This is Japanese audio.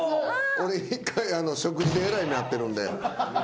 俺一回食事でえらい目遭ってるんで。